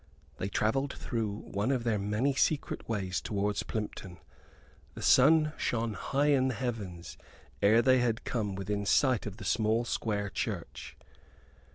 They travelled through one of their many secret ways towards Plympton. The sun shone high in the heavens ere they had come within sight of the small square church.